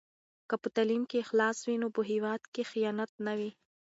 که په تعلیم کې اخلاص وي نو په هېواد کې خیانت نه وي.